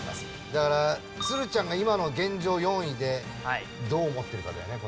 だから鶴ちゃんが今の現状４位でどう思ってるかだよね。